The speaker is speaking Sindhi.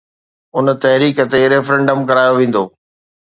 ان تحريڪ تي ريفرنڊم ڪرايو ويندو